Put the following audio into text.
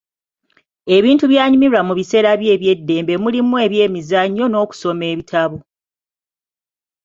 Ebintu by'anyumirwa mu biseera bye eby'eddembe mulimu ebyemizannyo n'okusoma ebitabo